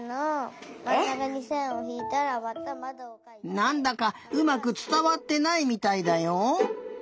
なんだかうまくつたわってないみたいだよ。